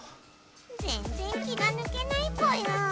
ぜんぜん気がぬけないぽよ。